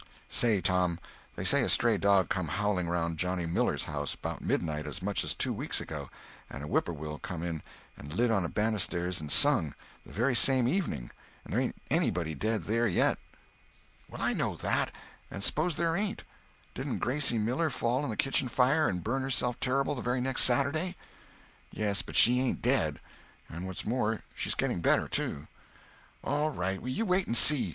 "Say, Tom—they say a stray dog come howling around Johnny Miller's house, 'bout midnight, as much as two weeks ago; and a whippoorwill come in and lit on the banisters and sung, the very same evening; and there ain't anybody dead there yet." "Well, I know that. And suppose there ain't. Didn't Gracie Miller fall in the kitchen fire and burn herself terrible the very next Saturday?" "Yes, but she ain't dead. And what's more, she's getting better, too." "All right, you wait and see.